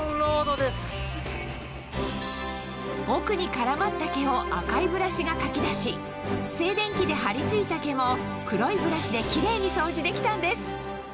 奥に絡まった毛を赤いブラシがかき出し静電気で張り付いた毛も黒いブラシでキレイに掃除できたんです